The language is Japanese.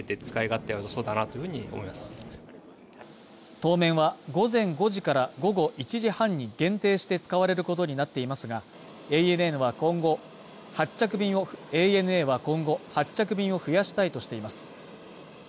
当面は午前５時から午後１時半に限定して使われることになっていますが、ＡＮＡは今後、発着便を増やしたいとしています。